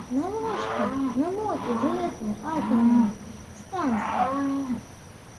Навошта намотваць гэтую атамную станцыю?!